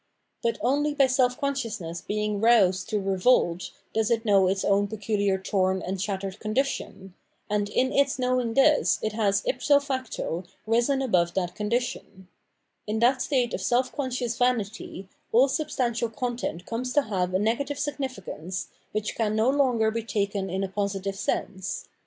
But only by self consciousness being roused to revolt does it know its own peculiar torn and shattered condition ; and in its know ing this it has ipso facto risen above that condition. In that state of self conscious vanity aU substantial content comes to have a negative significance, which can no 533 Culture and %ts Sphere of Reality longer be taken in a positive sense.